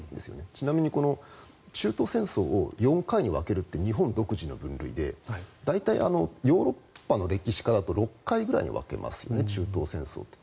ちなみに中東戦争を４回に分けるって日本独自の分類で大体、ヨーロッパの歴史家だと６回ぐらいに分けますよね中東戦争って。